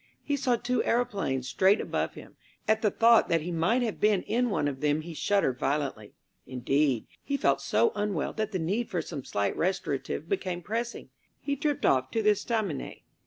He saw two aeroplanes straight above him. At the thought that he might have been in one of them he shuddered violently. Indeed, he felt so unwell that the need for some slight restorative became pressing. He tripped off to the estaminet.